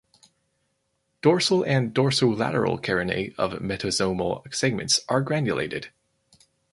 Dorsal and dorsolateral carinae of metasomal segments are granulated.